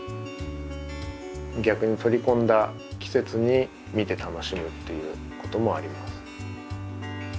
逆に取り込んだ季節に見て楽しむっていうこともあります。